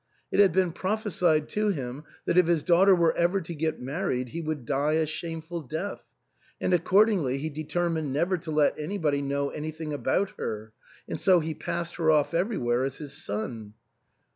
It had been prophesied to him that if his daughter were ever to get married he would die a shameful death ; and accordingly he determined never to let anybody know anything about her, and so he passed her off everywhere as his son."